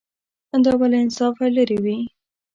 دا به له انصافه لرې وي.